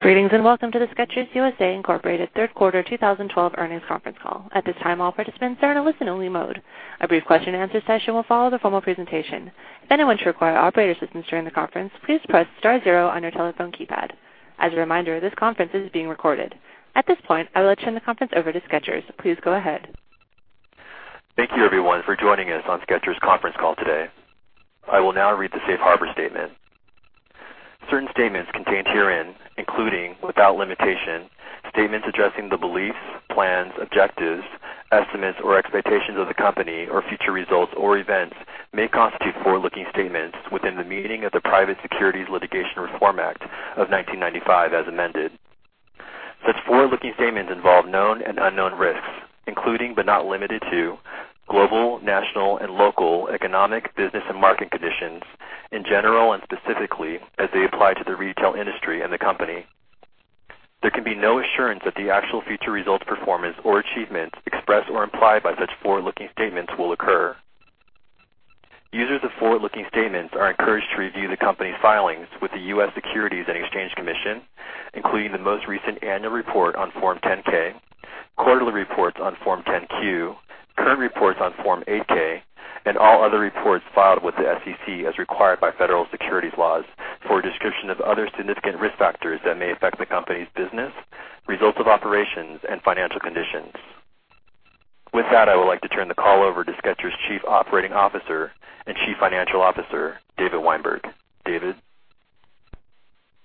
Greetings. Welcome to the Skechers U.S.A., Inc. third quarter 2012 earnings conference call. At this time, all participants are in a listen-only mode. A brief question-and-answer session will follow the formal presentation. If anyone should require operator assistance during the conference, please press star zero on your telephone keypad. As a reminder, this conference is being recorded. At this point, I would like to turn the conference over to Skechers. Please go ahead. Thank you, everyone, for joining us on Skechers' conference call today. I will now read the safe harbor statement. Certain statements contained herein, including, without limitation, statements addressing the beliefs, plans, objectives, estimates, or expectations of the company or future results or events, may constitute forward-looking statements within the meaning of the Private Securities Litigation Reform Act of 1995 as amended. Such forward-looking statements involve known and unknown risks, including, but not limited to, global, national, and local economic, business, and market conditions in general and specifically as they apply to the retail industry and the company. There can be no assurance that the actual future results, performance, or achievements expressed or implied by such forward-looking statements will occur. Users of forward-looking statements are encouraged to review the company's filings with the U.S. Securities and Exchange Commission, including the most recent annual report on Form 10-K, quarterly reports on Form 10-Q, current reports on Form 8-K, and all other reports filed with the SEC as required by federal securities laws for a description of other significant risk factors that may affect the company's business, results of operations, and financial conditions. With that, I would like to turn the call over to Skechers' Chief Operating Officer and Chief Financial Officer, David Weinberg. David?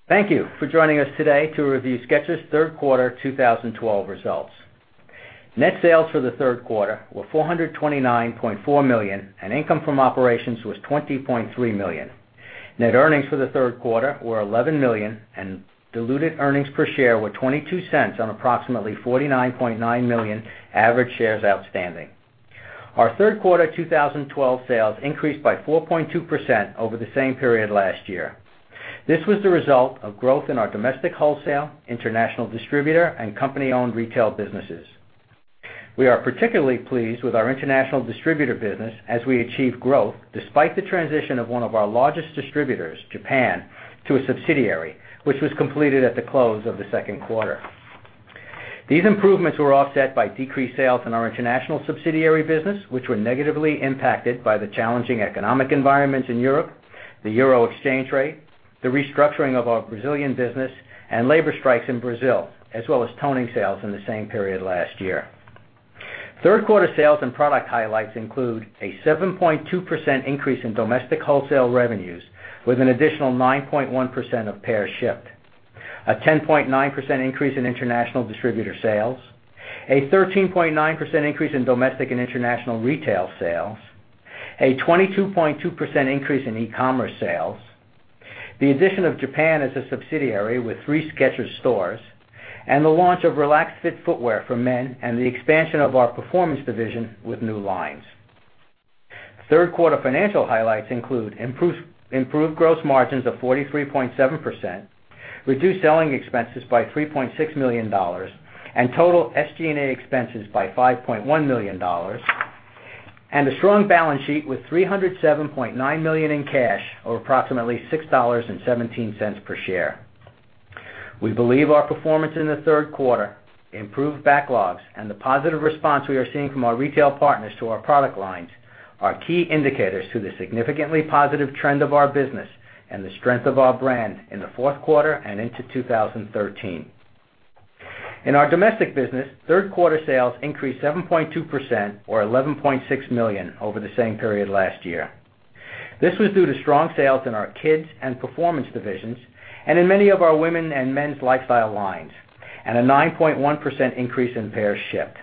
Thank you for joining us today to review Skechers' third quarter 2012 results. Net sales for the third quarter were $429.4 million. Income from operations was $20.3 million. Net earnings for the third quarter were $11 million. Diluted earnings per share were $0.22 on approximately 49.9 million average shares outstanding. Our third quarter 2012 sales increased by 4.2% over the same period last year. This was the result of growth in our domestic wholesale, international distributor, and company-owned retail businesses. We are particularly pleased with our international distributor business as we achieve growth despite the transition of one of our largest distributors, Japan, to a subsidiary, which was completed at the close of the second quarter. These improvements were offset by decreased sales in our international subsidiary business, which were negatively impacted by the challenging economic environments in Europe, the euro exchange rate, the restructuring of our Brazilian business, and labor strikes in Brazil, as well as toning sales in the same period last year. Third quarter sales and product highlights include a 7.2% increase in domestic wholesale revenues with an additional 9.1% of pairs shipped, a 10.9% increase in international distributor sales, a 13.9% increase in domestic and international retail sales, a 22.2% increase in e-commerce sales, the addition of Japan as a subsidiary with three Skechers stores, and the launch of Relaxed Fit footwear for men and the expansion of our Performance division with new lines. Third quarter financial highlights include improved gross margins of 43.7%, reduced selling expenses by $3.6 million and total SG&A expenses by $5.1 million, and a strong balance sheet with $307.9 million in cash, or approximately $6.17 per share. We believe our performance in the third quarter, improved backlogs, and the positive response we are seeing from our retail partners to our product lines are key indicators to the significantly positive trend of our business and the strength of our brand in the fourth quarter and into 2013. In our domestic business, third quarter sales increased 7.2%, or $11.6 million, over the same period last year. This was due to strong sales in our kids and Performance divisions and in many of our women and men's lifestyle lines, and a 9.1% increase in pairs shipped.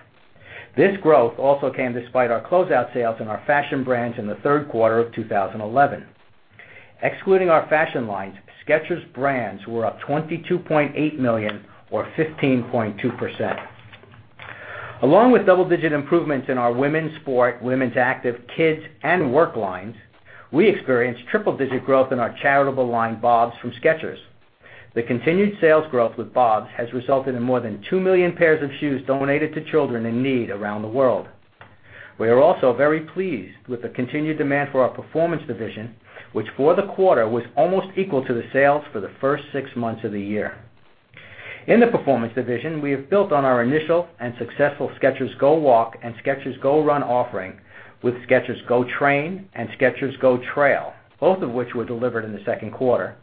This growth also came despite our closeout sales in our fashion brands in the third quarter of 2011. Excluding our fashion lines, Skechers brands were up $22.8 million, or 15.2%. Along with double-digit improvements in our women's sport, women's active, kids, and work lines, we experienced triple-digit growth in our charitable line, BOBS from Skechers. The continued sales growth with BOBS has resulted in more than 2 million pairs of shoes donated to children in need around the world. We are also very pleased with the continued demand for our Performance division, which for the quarter was almost equal to the sales for the first six months of the year. In the Performance division, we have built on our initial and successful Skechers GO WALK and Skechers GO RUN offering with Skechers GOtrain and Skechers GOtrail, both of which were delivered in the second quarter,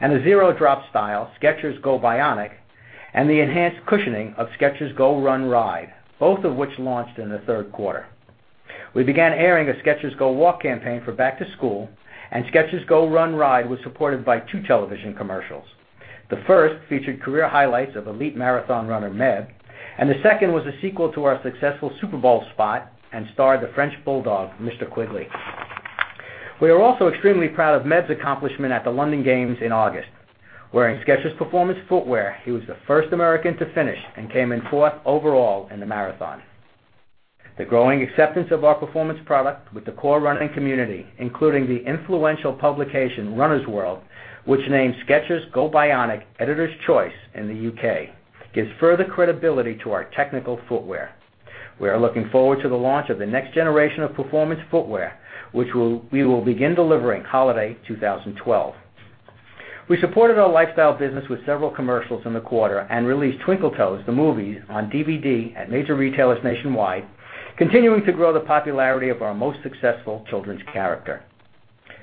and the zero-drop style Skechers GObionic and the enhanced cushioning of Skechers GO RUN Ride, both of which launched in the third quarter. We began airing a Skechers GO WALK campaign for back to school, and Skechers GO RUN Ride was supported by two television commercials. The first featured career highlights of elite marathon runner Meb, and the second was a sequel to our successful Super Bowl spot and starred the French bulldog, Mr. Quiggly. We are also extremely proud of Meb's accomplishment at the London Games in August. Wearing Skechers Performance footwear, he was the first American to finish and came in fourth overall in the marathon. The growing acceptance of our performance product with the core running community, including the influential publication Runner's World, which named Skechers GObionic Editor's Choice in the U.K., gives further credibility to our technical footwear. We are looking forward to the launch of the next generation of performance footwear, which we will begin delivering Holiday 2012. We supported our lifestyle business with several commercials in the quarter and released "Twinkle Toes: The Movie" on DVD at major retailers nationwide, continuing to grow the popularity of our most successful children's character.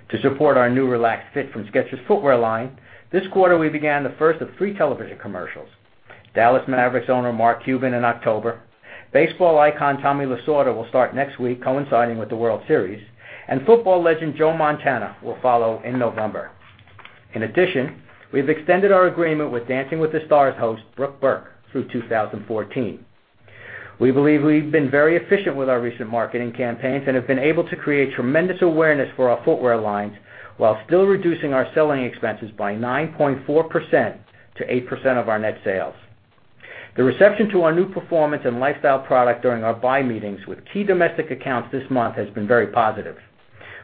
To support our new Relaxed Fit from Skechers footwear line, this quarter, we began the first of three television commercials. Dallas Mavericks owner Mark Cuban in October, baseball icon Tommy Lasorda will start next week coinciding with the World Series, and football legend Joe Montana will follow in November. In addition, we've extended our agreement with "Dancing with the Stars" host Brooke Burke through 2014. We believe we've been very efficient with our recent marketing campaigns and have been able to create tremendous awareness for our footwear lines while still reducing our selling expenses by 9.4% to 8% of our net sales. The reception to our new performance and lifestyle product during our buy meetings with key domestic accounts this month has been very positive.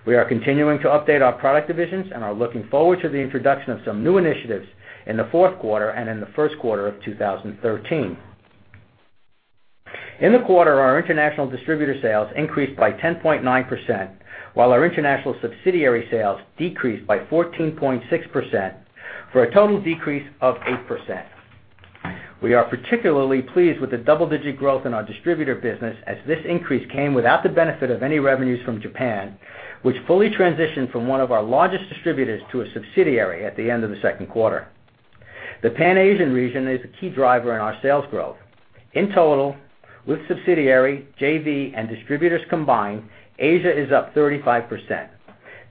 We are continuing to update our product divisions and are looking forward to the introduction of some new initiatives in the fourth quarter and in the first quarter of 2013. In the quarter, our international distributor sales increased by 10.9%, while our international subsidiary sales decreased by 14.6%, for a total decrease of 8%. We are particularly pleased with the double-digit growth in our distributor business as this increase came without the benefit of any revenues from Japan, which fully transitioned from one of our largest distributors to a subsidiary at the end of the second quarter. The Pan-Asian region is a key driver in our sales growth. In total, with subsidiary, JV, and distributors combined, Asia is up 35%.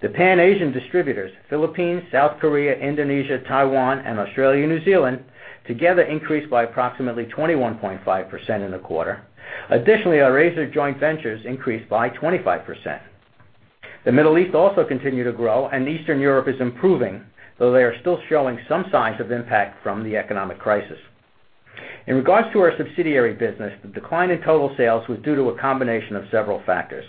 The Pan-Asian distributors, Philippines, South Korea, Indonesia, Taiwan, and Australia, New Zealand, together increased by approximately 21.5% in the quarter. Additionally, our Asian joint ventures increased by 25%. The Middle East also continued to grow, and Eastern Europe is improving, though they are still showing some signs of impact from the economic crisis. In regards to our subsidiary business, the decline in total sales was due to a combination of several factors.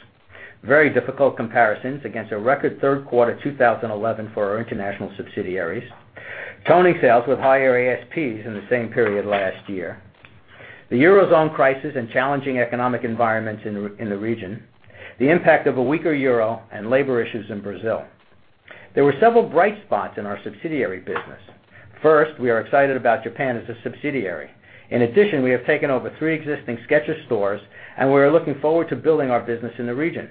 Very difficult comparisons against a record third quarter 2011 for our international subsidiaries. Toning sales with higher ASPs in the same period last year. The Eurozone crisis and challenging economic environments in the region. The impact of a weaker Euro and labor issues in Brazil. There were several bright spots in our subsidiary business. First, we are excited about Japan as a subsidiary. In addition, we have taken over three existing Skechers stores, and we are looking forward to building our business in the region.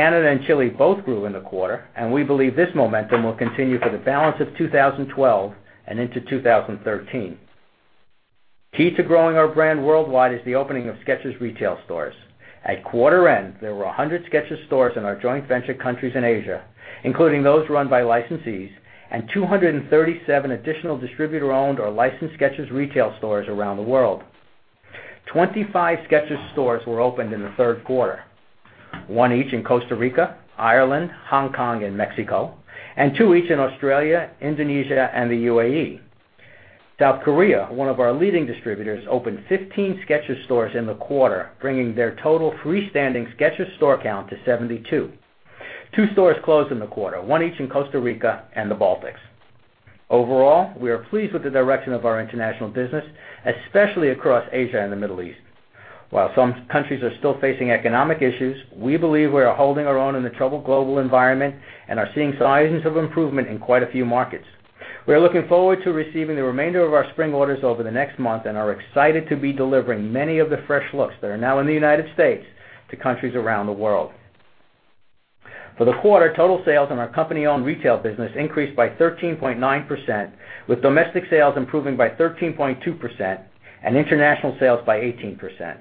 Canada and Chile both grew in the quarter, and we believe this momentum will continue for the balance of 2012 and into 2013. Key to growing our brand worldwide is the opening of Skechers retail stores. At quarter end, there were 100 Skechers stores in our joint venture countries in Asia, including those run by licensees, and 237 additional distributor-owned or licensed Skechers retail stores around the world. 25 Skechers stores were opened in the third quarter, 1 each in Costa Rica, Ireland, Hong Kong, and Mexico, and 2 each in Australia, Indonesia, and the UAE. South Korea, one of our leading distributors, opened 15 Skechers stores in the quarter, bringing their total freestanding Skechers store count to 72. 2 stores closed in the quarter, 1 each in Costa Rica and the Baltics. Overall, we are pleased with the direction of our international business, especially across Asia and the Middle East. While some countries are still facing economic issues, we believe we are holding our own in the troubled global environment and are seeing signs of improvement in quite a few markets. We are looking forward to receiving the remainder of our spring orders over the next month and are excited to be delivering many of the fresh looks that are now in the United States to countries around the world. For the quarter, total sales in our company-owned retail business increased by 13.9%, with domestic sales improving by 13.2% and international sales by 18%.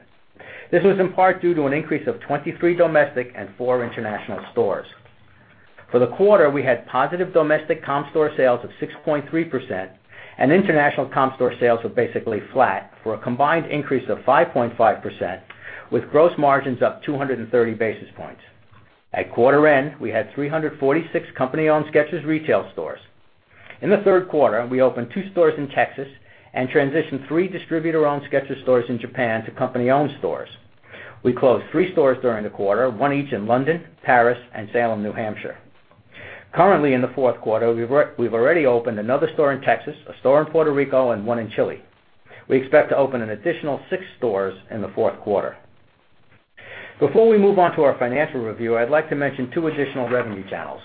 This was in part due to an increase of 23 domestic and 4 international stores. For the quarter, we had positive domestic comp store sales of 6.3%, and international comp store sales were basically flat for a combined increase of 5.5%, with gross margins up 230 basis points. At quarter end, we had 346 company-owned Skechers retail stores. In the third quarter, we opened 2 stores in Texas and transitioned 3 distributor-owned Skechers stores in Japan to company-owned stores. We closed 3 stores during the quarter, 1 each in London, Paris, and Salem, New Hampshire. Currently in the fourth quarter, we've already opened another store in Texas, a store in Puerto Rico, and 1 in Chile. We expect to open an additional 6 stores in the fourth quarter. Before we move on to our financial review, I'd like to mention 2 additional revenue channels.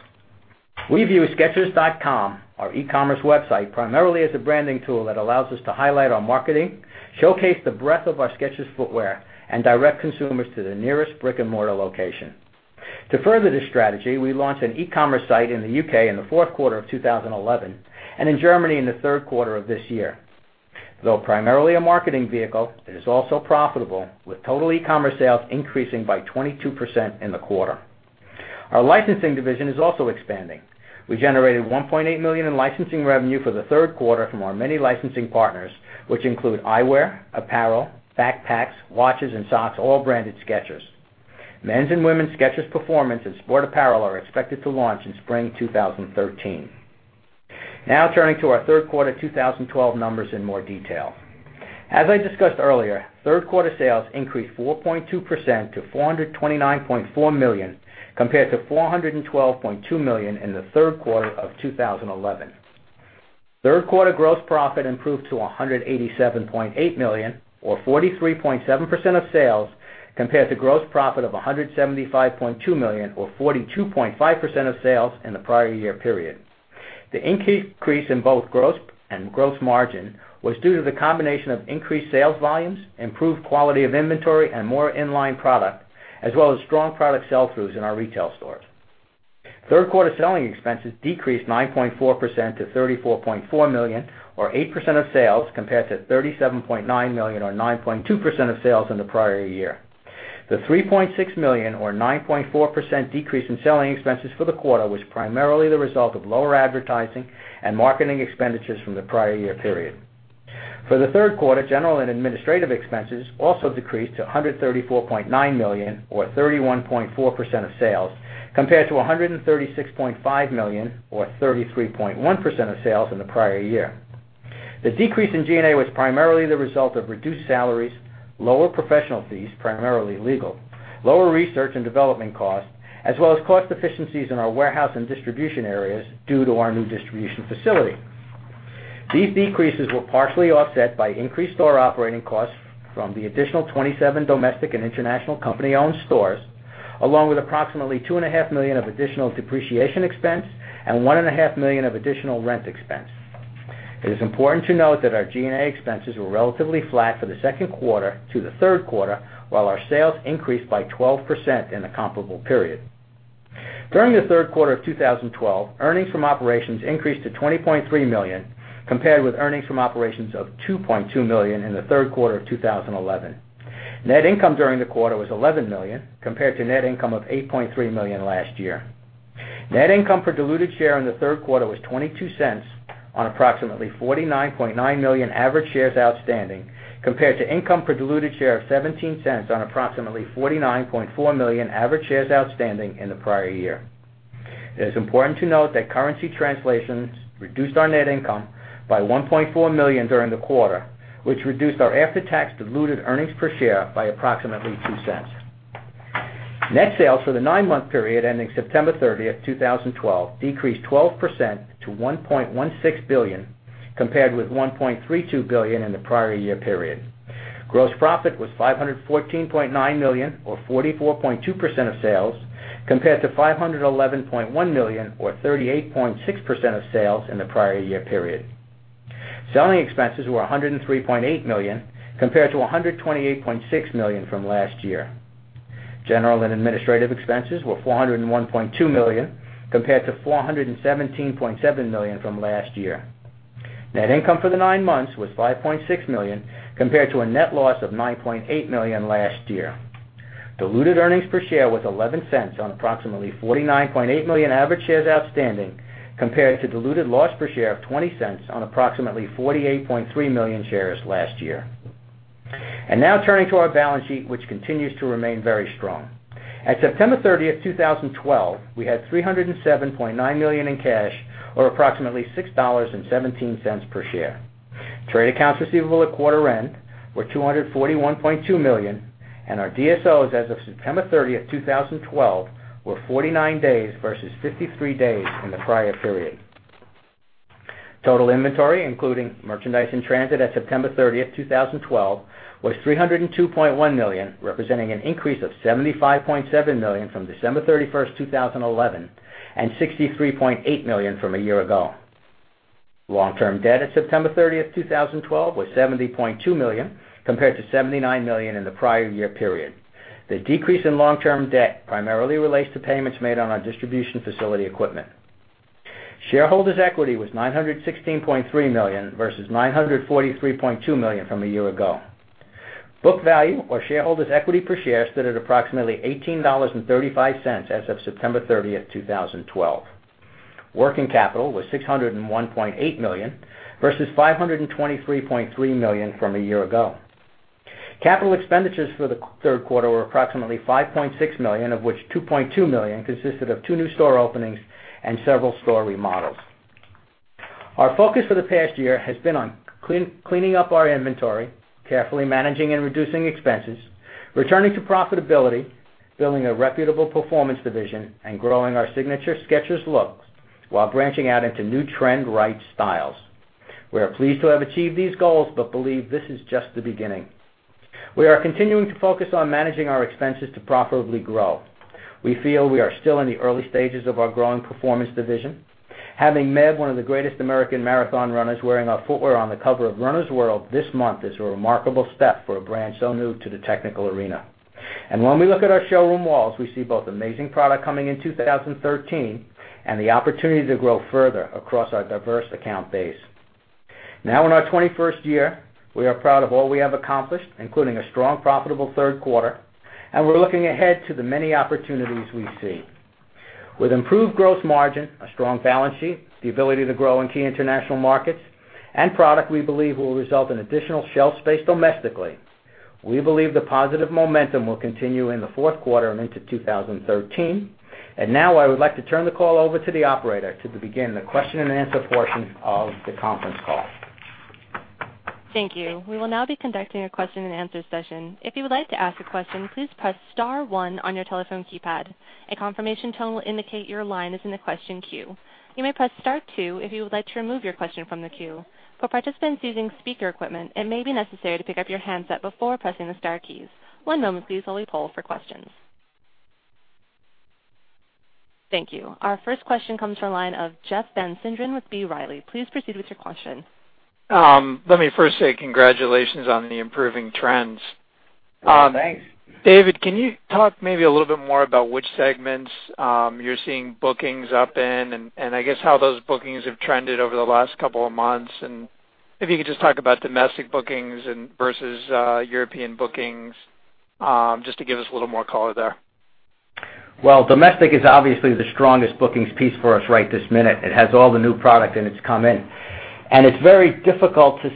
We view skechers.com, our e-commerce website, primarily as a branding tool that allows us to highlight our marketing, showcase the breadth of our Skechers footwear, and direct consumers to the nearest brick-and-mortar location. To further this strategy, we launched an e-commerce site in the U.K. in the fourth quarter of 2011 and in Germany in the third quarter of this year. Though primarily a marketing vehicle, it is also profitable, with total e-commerce sales increasing by 22% in the quarter. Our licensing division is also expanding. We generated $1.8 million in licensing revenue for the third quarter from our many licensing partners, which include eyewear, apparel, backpacks, watches, and socks, all branded Skechers. Men's and women's Skechers Performance and sport apparel are expected to launch in spring 2013. Now turning to our third-quarter 2012 numbers in more detail. As I discussed earlier, third-quarter sales increased 4.2% to $429.4 million, compared to $412.2 million in the third quarter of 2011. Third quarter gross profit improved to $187.8 million or 43.7% of sales compared to gross profit of $175.2 million or 42.5% of sales in the prior year period. The increase in both gross and gross margin was due to the combination of increased sales volumes, improved quality of inventory and more in-line product, as well as strong product sell-throughs in our retail stores. Third quarter selling expenses decreased 9.4% to $34.4 million or 8% of sales, compared to $37.9 million or 9.2% of sales in the prior year. The $3.6 million or 9.4% decrease in selling expenses for the quarter was primarily the result of lower advertising and marketing expenditures from the prior year period. For the third quarter, general and administrative expenses also decreased to $134.9 million or 31.4% of sales, compared to $136.5 million or 33.1% of sales in the prior year. The decrease in G&A was primarily the result of reduced salaries, lower professional fees, primarily legal, lower research and development costs, as well as cost efficiencies in our warehouse and distribution areas due to our new distribution facility. These decreases were partially offset by increased store operating costs from the additional 27 domestic and international company-owned stores, along with approximately $2.5 million of additional depreciation expense and $1.5 million of additional rent expense. It is important to note that our G&A expenses were relatively flat for the second quarter to the third quarter, while our sales increased by 12% in the comparable period. During the third quarter of 2012, earnings from operations increased to $20.3 million, compared with earnings from operations of $2.2 million in the third quarter of 2011. Net income during the quarter was $11 million, compared to net income of $8.3 million last year. Net income per diluted share in the third quarter was $0.22 on approximately 49.9 million average shares outstanding, compared to income per diluted share of $0.17 on approximately 49.4 million average shares outstanding in the prior year. It is important to note that currency translations reduced our net income by $1.4 million during the quarter, which reduced our after-tax diluted earnings per share by approximately $0.02. Net sales for the nine-month period ending September 30th, 2012, decreased 12% to $1.16 billion, compared with $1.32 billion in the prior year period. Gross profit was $514.9 million or 44.2% of sales, compared to $511.1 million or 38.6% of sales in the prior year period. Selling expenses were $103.8 million compared to $128.6 million from last year. General and administrative expenses were $401.2 million, compared to $417.7 million from last year. Net income for the nine months was $5.6 million, compared to a net loss of $9.8 million last year. Diluted earnings per share was $0.11 on approximately 49.8 million average shares outstanding, compared to diluted loss per share of $0.20 on approximately 48.3 million shares last year. Now turning to our balance sheet, which continues to remain very strong. At September 30th, 2012, we had $307.9 million in cash or approximately $6.17 per share. Trade accounts receivable at quarter end were $241.2 million, and our DSOs as of September 30th, 2012, were 49 days versus 53 days in the prior period. Total inventory, including merchandise in transit at September 30th, 2012, was $302.1 million, representing an increase of $75.7 million from December 31st, 2011, and $63.8 million from a year ago. Long-term debt at September 30th, 2012, was $70.2 million, compared to $79 million in the prior year period. The decrease in long-term debt primarily relates to payments made on our distribution facility equipment. Shareholders' equity was $916.3 million versus $943.2 million from a year ago. Book value or shareholders' equity per share stood at approximately $18.35 as of September 30th, 2012. Working capital was $601.8 million versus $523.3 million from a year ago. Capital expenditures for the third quarter were approximately $5.6 million, of which $2.2 million consisted of two new store openings and several store remodels. Our focus for the past year has been on cleaning up our inventory, carefully managing and reducing expenses, returning to profitability, building a reputable performance division, and growing our signature Skechers look while branching out into new trend-right styles. We are pleased to have achieved these goals but believe this is just the beginning. We are continuing to focus on managing our expenses to profitably grow. We feel we are still in the early stages of our growing performance division. Having Meb, one of the greatest American marathon runners, wearing our footwear on the cover of Runner's World this month is a remarkable step for a brand so new to the technical arena. When we look at our showroom walls, we see both amazing product coming in 2013 and the opportunity to grow further across our diverse account base. Now in our 21st year, we are proud of all we have accomplished, including a strong, profitable third quarter. We're looking ahead to the many opportunities we see. With improved gross margin, a strong balance sheet, the ability to grow in key international markets, and product we believe will result in additional shelf space domestically, we believe the positive momentum will continue in the fourth quarter and into 2013. Now I would like to turn the call over to the operator to begin the question and answer portion of the conference call. Thank you. We will now be conducting a question and answer session. If you would like to ask a question, please press star one on your telephone keypad. A confirmation tone will indicate your line is in the question queue. You may press star two if you would like to remove your question from the queue. For participants using speaker equipment, it may be necessary to pick up your handset before pressing the star keys. One moment please while we poll for questions. Thank you. Our first question comes from the line of Jeff Van Sinderen with B. Riley. Please proceed with your question. Let me first say congratulations on the improving trends. Thanks. David, can you talk maybe a little bit more about which segments, you're seeing bookings up in, I guess how those bookings have trended over the last couple of months, if you could just talk about domestic bookings versus European bookings, just to give us a little more color there. Well, domestic is obviously the strongest bookings piece for us right this minute. It has all the new product and it's come in. It's very difficult to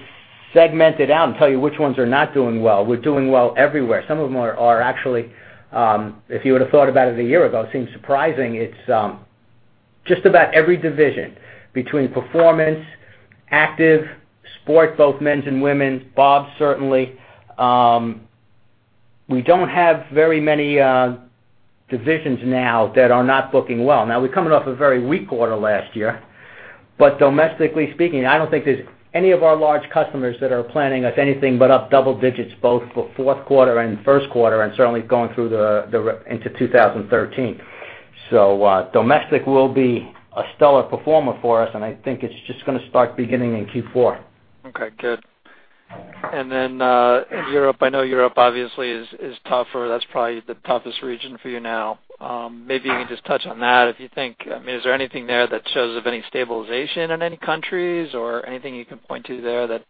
segment it out and tell you which ones are not doing well. We're doing well everywhere. Some of them are actually, if you would've thought about it a year ago, seems surprising. It's just about every division between performance, active, sport, both men's and women's, BOBS, certainly. We don't have very many divisions now that are not booking well. We're coming off a very weak quarter last year, domestically speaking, I don't think there's any of our large customers that are planning us anything but up double digits, both for fourth quarter and first quarter and certainly going into 2013. Domestic will be a stellar performer for us, and I think it's just gonna start beginning in Q4. Okay, good. Then, in Europe, I know Europe obviously is tougher. That's probably the toughest region for you now. Maybe you can just touch on that if you think I mean, is there anything there that shows of any stabilization in any countries or anything you can point to there that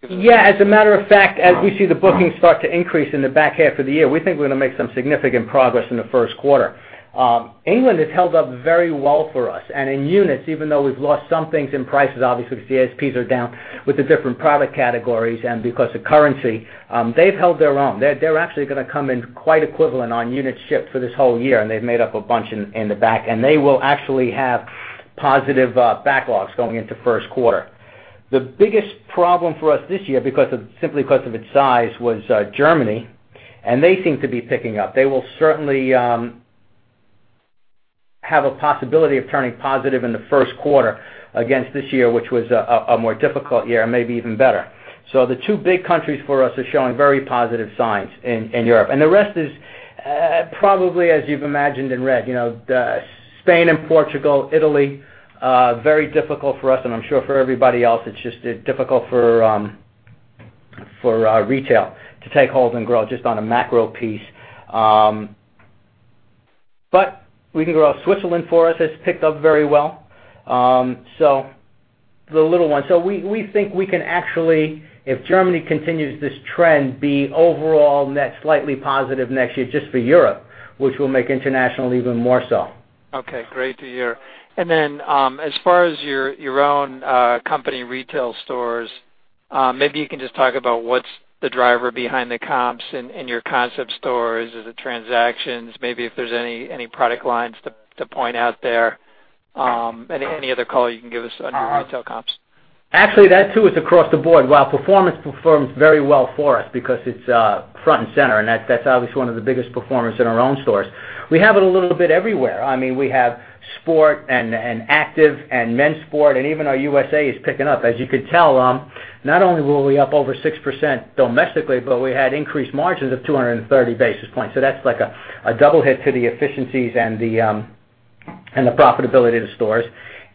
gives- Yeah, as a matter of fact, as we see the bookings start to increase in the back half of the year, we think we're gonna make some significant progress in the first quarter. England has held up very well for us. In units, even though we've lost some things in prices, obviously the ASPs are down with the different product categories and because of currency, they've held their own. They're actually gonna come in quite equivalent on units shipped for this whole year, and they've made up a bunch in the back, and they will actually have positive backlogs going into first quarter. The biggest problem for us this year, simply because of its size, was Germany, and they seem to be picking up. They will certainly have a possibility of turning positive in the first quarter against this year, which was a more difficult year, and maybe even better. The two big countries for us are showing very positive signs in Europe, and the rest is probably as you've imagined and read. Spain and Portugal, Italy, very difficult for us and I'm sure for everybody else. It's just difficult for retail to take hold and grow just on a macro piece. We can grow. Switzerland for us has picked up very well. The little ones. We think we can actually, if Germany continues this trend, be overall net slightly positive next year just for Europe, which will make international even more so. Okay. Great to hear. Then, as far as your own company retail stores, maybe you can just talk about what's the driver behind the comps in your concept stores. Is it transactions? Maybe if there's any product lines to point out there, any other color you can give us on your retail comps? Actually, that too, is across the board. While Performance performs very well for us because it's front and center, and that's obviously one of the biggest performers in our own stores. We have it a little bit everywhere. We have sport and active and men's sport, and even our USA is picking up. As you could tell, not only were we up over 6% domestically, but we had increased margins of 230 basis points. That's like a double hit to the efficiencies and the profitability of the stores,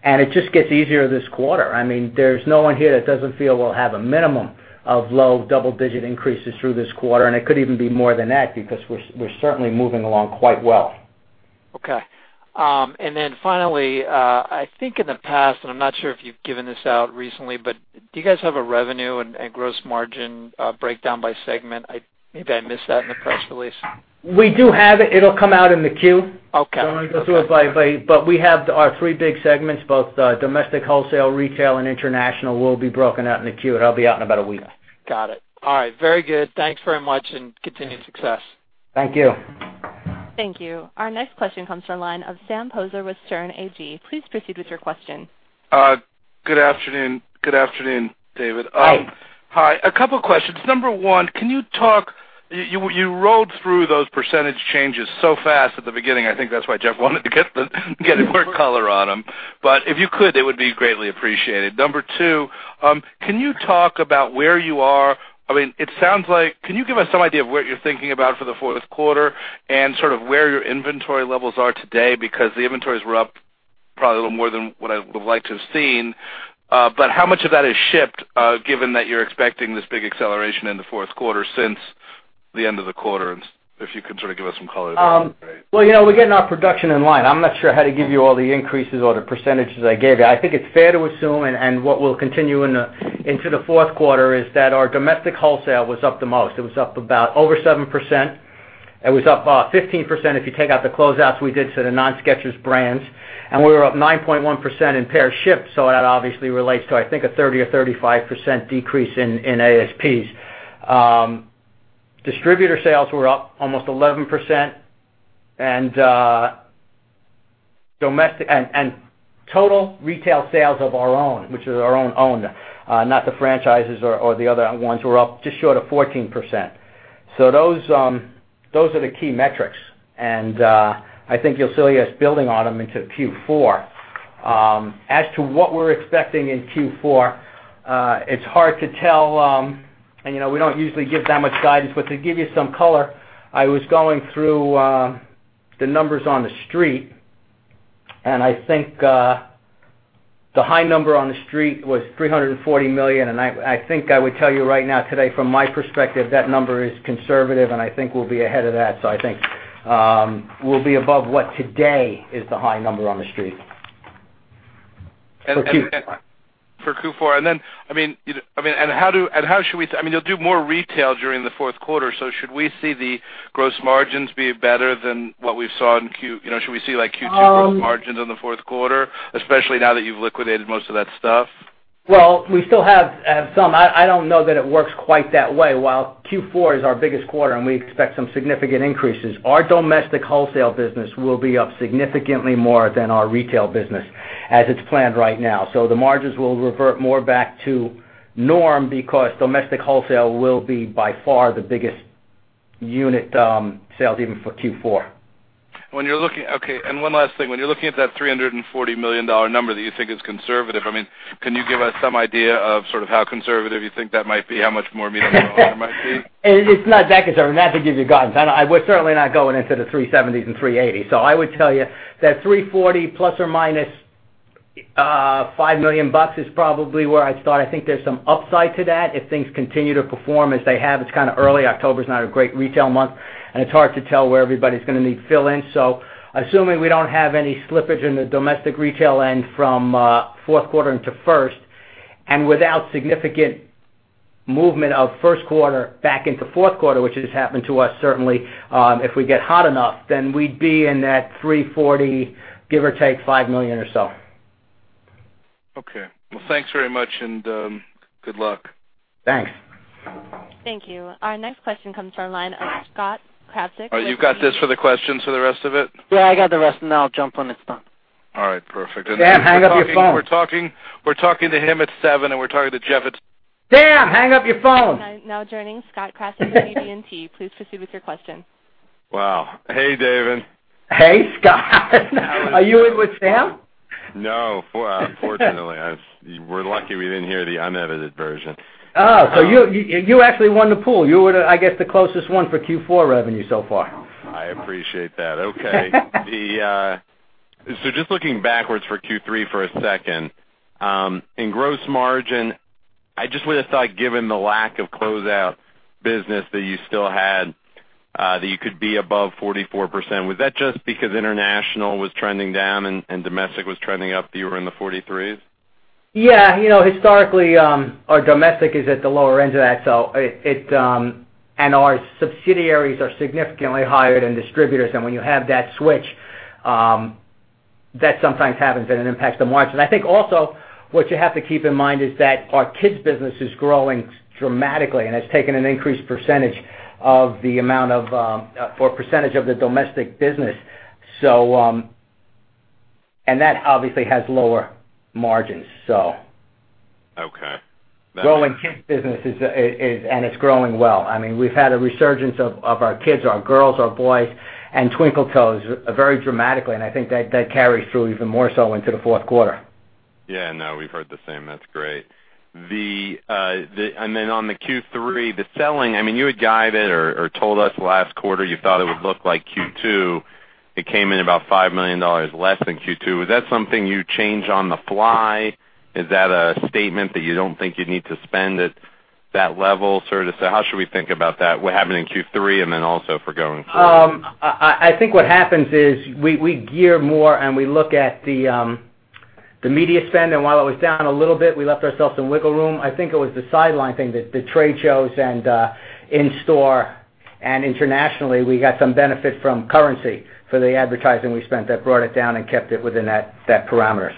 and it just gets easier this quarter. There's no one here that doesn't feel we'll have a minimum of low double-digit increases through this quarter, and it could even be more than that because we're certainly moving along quite well. Okay. Finally, I think in the past, I'm not sure if you've given this out recently, but do you guys have a revenue and gross margin breakdown by segment? Maybe I missed that in the press release. We do have it. It'll come out in the Q. Okay. We have our three big segments, both Domestic Wholesale, Retail, and International will be broken out in the Q, and it'll be out in about a week. Got it. All right. Very good. Thanks very much, and continued success. Thank you. Thank you. Our next question comes from the line of Sam Poser with Sterne Agee. Please proceed with your question. Good afternoon, David. Hi. Hi. A couple questions. Number one, can you You rolled through those percentage changes so fast at the beginning. I think that's why Jeff wanted to get more color on them. If you could, it would be greatly appreciated. Number two, can you talk about where you are? Can you give us some idea of what you're thinking about for the fourth quarter and sort of where your inventory levels are today? The inventories were up probably a little more than what I would like to have seen. How much of that is shipped, given that you're expecting this big acceleration in the fourth quarter since the end of the quarter? If you can sort of give us some color there, that'd be great. Well, we're getting our production in line. I'm not sure how to give you all the increases or the percentages I gave you. I think it's fair to assume, and what we'll continue into the fourth quarter, is that our domestic wholesale was up the most. It was up about over 7%. It was up about 15% if you take out the closeouts we did to the non-Skechers brands. We were up 9.1% in pair shipped, so that obviously relates to, I think, a 30% or 35% decrease in ASPs. Distributor sales were up almost 11%, and Domestic and total retail sales of our own, which is our own, not the franchises or the other ones, were up just short of 14%. Those are the key metrics, and I think you'll see us building on them into Q4. As to what we're expecting in Q4, it's hard to tell. We don't usually give that much guidance. To give you some color, I was going through the numbers on the street, and I think, the high number on the street was $340 million. I think I would tell you right now today, from my perspective, that number is conservative, and I think we'll be ahead of that. I think, we'll be above what today is the high number on the street for Q4. For Q4. You'll do more retail during the fourth quarter, so should we see the gross margins be better than what we saw? Should we see Q2 gross margins in the fourth quarter? Especially now that you've liquidated most of that stuff. Well, we still have some. I don't know that it works quite that way. While Q4 is our biggest quarter and we expect some significant increases, our domestic wholesale business will be up significantly more than our retail business, as it's planned right now. The margins will revert more back to norm because domestic wholesale will be by far the biggest unit sales even for Q4. Okay. One last thing, when you're looking at that $340 million number that you think is conservative, can you give us some idea of how conservative you think that might be? How much more meaningful that number might be? It's not that conservative. Not to give you guidance. We're certainly not going into the $370 million and $380 million. I would tell you that $340 million ±$5 million is probably where I'd start. I think there's some upside to that if things continue to perform as they have. It's kind of early. October's not a great retail month, and it's hard to tell where everybody's going to need fill in. Assuming we don't have any slippage in the domestic retail end from fourth quarter into first, and without significant movement of first quarter back into fourth quarter, which has happened to us certainly, if we get hot enough, we'd be in that $340 million, give or take $5 million or so. Okay. Well, thanks very much and good luck. Thanks. Thank you. Our next question comes from the line of Scott Krasik. You've got this for the questions for the rest of it? Yeah, I got the rest and then I'll jump when it's done. All right, perfect. Sam, hang up your phone. We're talking to him at seven, and we're talking to Jeff at two. Sam, hang up your phone. Now joining Scott Krasik from BB&T. Please proceed with your question. Wow. Hey, David. Hey, Scott. Are you in with Sam? No, fortunately. We're lucky we didn't hear the unedited version. So you actually won the pool. You were, I guess, the closest one for Q4 revenue so far. I appreciate that. Okay. Just looking backwards for Q3 for a second. In gross margin, I just would have thought given the lack of closeout business that you still had, that you could be above 44%. Was that just because international was trending down and domestic was trending up, that you were in the 43s? Yeah. Historically, our domestic is at the lower end of that. Our subsidiaries are significantly higher than distributors. When you have that switch, that sometimes happens and it impacts the margin. I think also what you have to keep in mind is that our kids business is growing dramatically and has taken an increased percentage of the domestic business. That obviously has lower margins. Okay. Growing kids business and it's growing well. We've had a resurgence of our kids, our girls, our boys, and Twinkle Toes very dramatically, and I think that carries through even more so into the fourth quarter. Yeah. No, we've heard the same. That's great. On the Q3, the selling, you had guided or told us last quarter you thought it would look like Q2. It came in about $5 million less than Q2. Is that something you change on the fly? Is that a statement that you don't think you'd need to spend at that level, sort of? How should we think about that, what happened in Q3 and then also for going forward? I think what happens is we gear more and we look at the media spend and while it was down a little bit, we left ourselves some wiggle room. I think it was the sideline thing, the trade shows and in-store and internationally, we got some benefit from currency for the advertising we spent that brought it down and kept it within that parameter.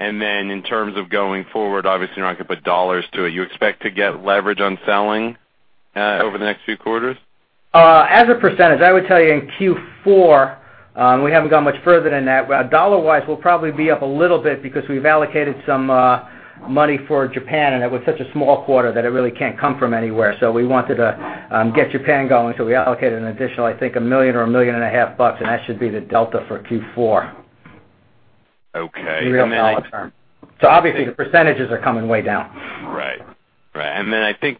In terms of going forward, obviously you're not going to put dollars to it. You expect to get leverage on selling over the next few quarters? As a percentage, I would tell you in Q4, we haven't gone much further than that, dollar-wise, we'll probably be up a little bit because we've allocated some money for Japan, it was such a small quarter that it really can't come from anywhere. We wanted to get Japan going. We allocated an additional, I think, $1 million or $1.5 million, that should be the delta for Q4. Okay. In real dollar term. Obviously the % are coming way down. Right. I think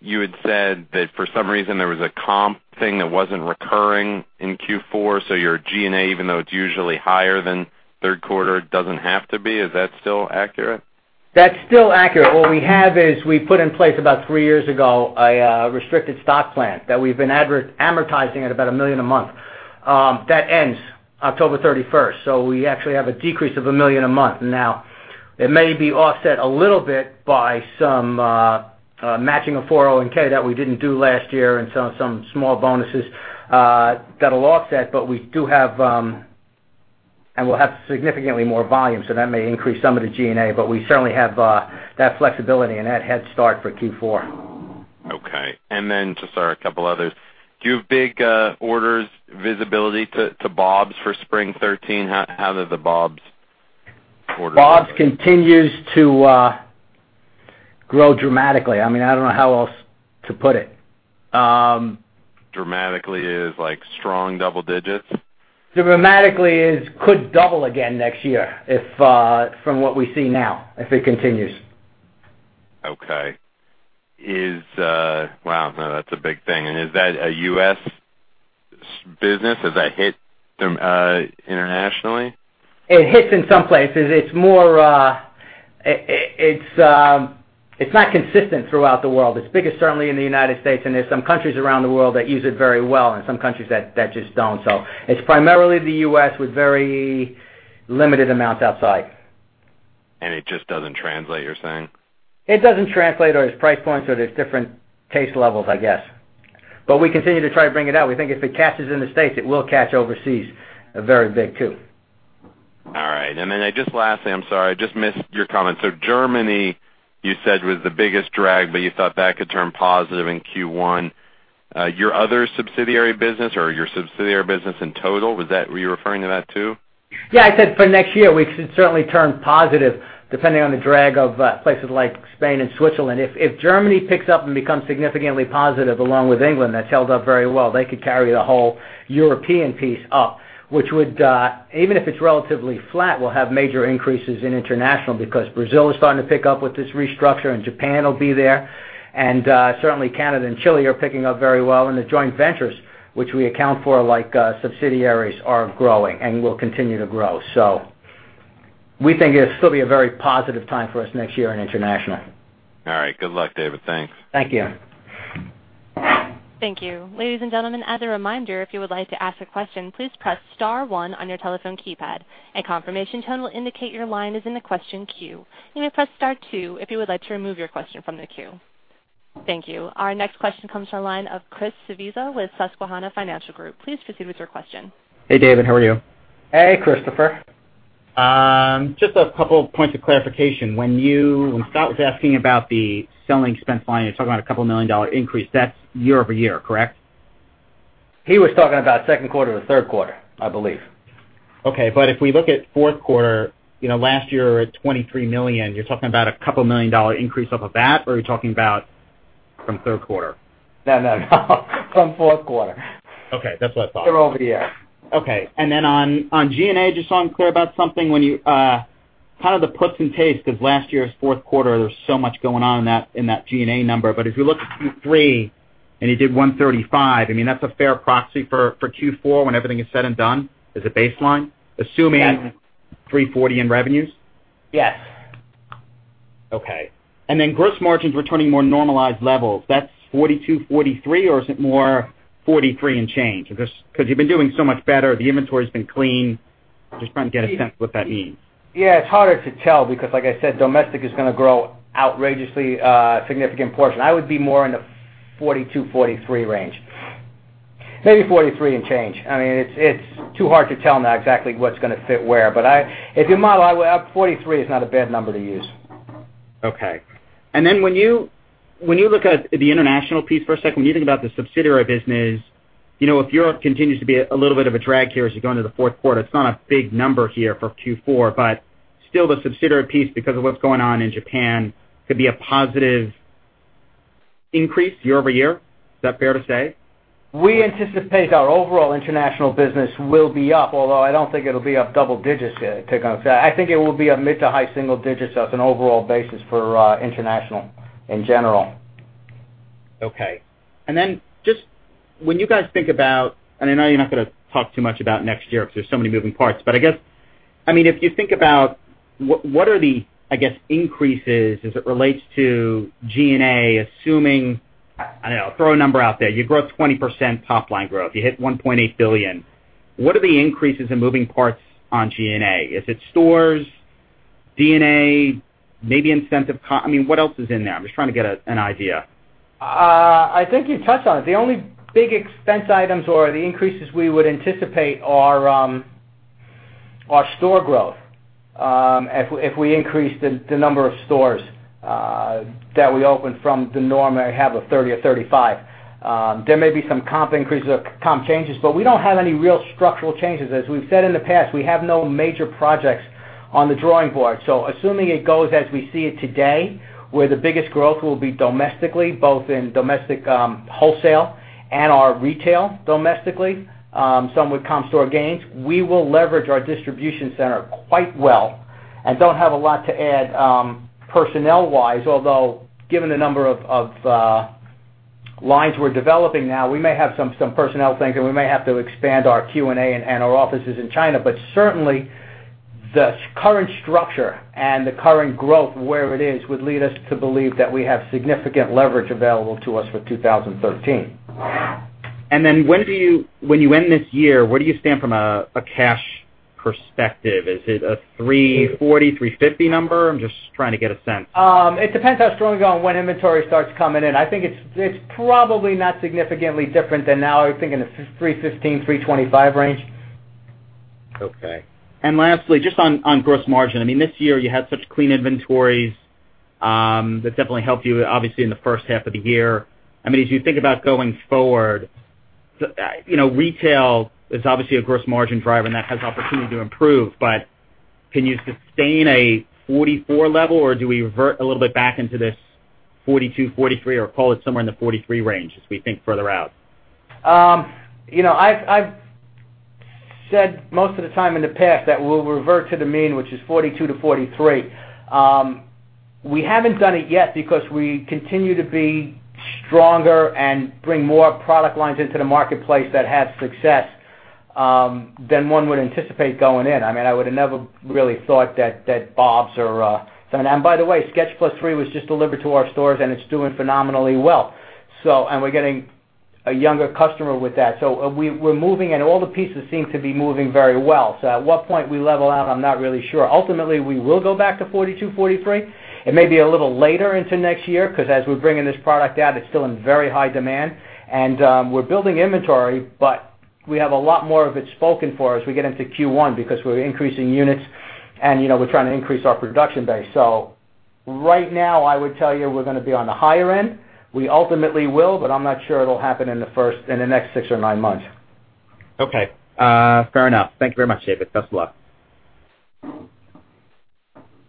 you had said that for some reason there was a comp thing that wasn't recurring in Q4. Your G&A, even though it's usually higher than third quarter, it doesn't have to be. Is that still accurate? That's still accurate. What we have is we put in place about three years ago a restricted stock plan that we've been amortizing at about $1 million a month. That ends October 31st. We actually have a decrease of $1 million a month now. It may be offset a little bit by some matching of 401(k) that we didn't do last year and some small bonuses that'll offset. We do have and will have significantly more volume, so that may increase some of the G&A. We certainly have that flexibility and that head start for Q4. Right. Just a couple others. Do you have big orders visibility to BOBS for spring 2013? How did the BOBS order? BOBS continues to grow dramatically. I don't know how else to put it. Dramatically is like strong double digits? Dramatically is could double again next year from what we see now, if it continues. Okay. Wow. No, that's a big thing. Is that a U.S. business? Does that hit internationally? It hits in some places. It's not consistent throughout the world. It's biggest certainly in the United States, there's some countries around the world that use it very well and some countries that just don't. It's primarily the U.S. with very limited amounts outside. It just doesn't translate, you're saying? It doesn't translate or it's price points or there's different taste levels, I guess. We continue to try to bring it out. We think if it catches in the States, it will catch overseas very big, too. All right. Just lastly, I'm sorry, I just missed your comment. Germany, you said, was the biggest drag, but you thought that could turn positive in Q1. Your other subsidiary business or your subsidiary business in total, were you referring to that, too? I said for next year, we should certainly turn positive, depending on the drag of places like Spain and Switzerland. If Germany picks up and becomes significantly positive along with England, that's held up very well. They could carry the whole European piece up. Even if it's relatively flat, we'll have major increases in international because Brazil is starting to pick up with this restructure and Japan will be there. Certainly Canada and Chile are picking up very well. The joint ventures, which we account for like subsidiaries are growing and will continue to grow. We think it'll still be a very positive time for us next year in international. All right. Good luck, David. Thanks. Thank you. Thank you. Ladies and gentlemen, as a reminder, if you would like to ask a question, please press star one on your telephone keypad. A confirmation tone will indicate your line is in the question queue. You may press star two if you would like to remove your question from the queue. Thank you. Our next question comes to the line of Christopher Svezia with Susquehanna Financial Group. Please proceed with your question. Hey, David. How are you? Hey, Christopher. Just a couple points of clarification. When Scott was asking about the selling expense line, you're talking about a couple million dollar increase, that's year-over-year, correct? He was talking about second quarter to third quarter, I believe. Okay, if we look at fourth quarter, last year at $23 million, you're talking about a couple million dollar increase off of that? Or are you talking about from third quarter? No from fourth quarter. Okay. That's what I thought. Year-over-year. Okay. Then on G&A, just so I'm clear about something. The puts and takes because last year's fourth quarter, there's so much going on in that G&A number. But if you look at Q3 and you did $135, that's a fair proxy for Q4 when everything is said and done as a baseline? Yes $340 in revenues? Yes. Okay. Gross margins returning to more normalized levels. That's 42, 43, or is it more 43 and change? Because you've been doing so much better. The inventory's been clean. Just trying to get a sense of what that means. Yeah, it's harder to tell because like I said, domestic is going to grow outrageously a significant portion. I would be more in the 42, 43 range. Maybe 43 and change. It's too hard to tell now exactly what's going to fit where. If you model out, 43 is not a bad number to use. Okay. When you look at the international piece for a second, when you think about the subsidiary business, if Europe continues to be a little bit of a drag here as you go into the fourth quarter, it's not a big number here for Q4, but still the subsidiary piece because of what's going on in Japan could be a positive increase year-over-year. Is that fair to say? We anticipate our overall international business will be up, although I don't think it'll be up double digits here. I think it will be a mid to high single digits as an overall basis for international in general. Okay. When you guys think about, and I know you're not going to talk too much about next year because there's so many moving parts, if you think about what are the increases as it relates to G&A, assuming, I don't know, throw a number out there. You grow 20% top line growth. You hit $1.8 billion. What are the increases in moving parts on G&A? Is it stores, D&A, maybe incentive comp? What else is in there? I'm just trying to get an idea. I think you've touched on it. The only big expense items or the increases we would anticipate are store growth. If we increase the number of stores that we open from the norm I have of 30 or 35. There may be some comp increases or comp changes, we don't have any real structural changes. As we've said in the past, we have no major projects on the drawing board. Assuming it goes as we see it today, where the biggest growth will be domestically, both in domestic wholesale and our retail domestically, some with comp store gains, we will leverage our distribution center quite well and don't have a lot to add personnel wise, although given the number of lines we're developing now, we may have some personnel things and we may have to expand our Q&A and our offices in China. Certainly, the current structure and the current growth where it is would lead us to believe that we have significant leverage available to us for 2013. When you end this year, where do you stand from a cash perspective? Is it a $340, $350 number? I'm just trying to get a sense. It depends how strongly on when inventory starts coming in. I think it's probably not significantly different than now. I think in the $3.15-$3.25 range. Okay. Lastly, just on gross margin. This year you had such clean inventories that definitely helped you, obviously, in the first half of the year. As you think about going forward, retail is obviously a gross margin driver, and that has opportunity to improve, but can you sustain a 44% level, or do we revert a little bit back into this 42%-43%, or call it somewhere in the 43% range as we think further out? I've said most of the time in the past that we'll revert to the mean, which is 42%-43%. We haven't done it yet because we continue to be stronger and bring more product lines into the marketplace that have success than one would anticipate going in. I would have never really thought that BOBS or-- By the way, Skechers Plus 3 was just delivered to our stores, and it's doing phenomenally well. We're getting a younger customer with that. We're moving, and all the pieces seem to be moving very well. At what point we level out, I'm not really sure. Ultimately, we will go back to 42%-43%. It may be a little later into next year, because as we bring in this product out, it's still in very high demand. We're building inventory, but we have a lot more of it spoken for as we get into Q1 because we're increasing units and we're trying to increase our production base. Right now, I would tell you we're going to be on the higher end. We ultimately will, but I'm not sure it'll happen in the next six or nine months. Okay. Fair enough. Thank you very much, David. Best of luck.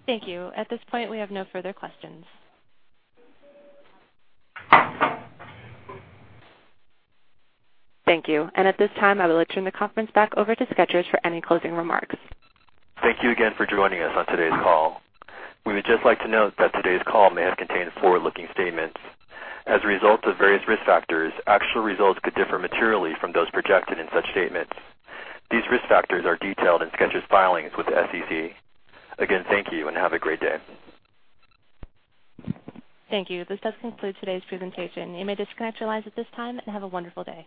Thank you. At this point, we have no further questions. Thank you. At this time, I will turn the conference back over to Skechers for any closing remarks. Thank you again for joining us on today's call. We would just like to note that today's call may have contained forward-looking statements. As a result of various risk factors, actual results could differ materially from those projected in such statements. These risk factors are detailed in Skechers' filings with the SEC. Again, thank you, and have a great day. Thank you. This does conclude today's presentation. You may disconnect your lines at this time, and have a wonderful day.